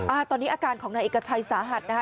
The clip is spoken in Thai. อ่าตอนนี้อาการของนายเอกชัยสาหัสนะคะ